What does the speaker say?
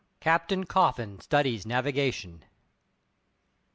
CAPTAIN COFFIN STUDIES NAVIGATION.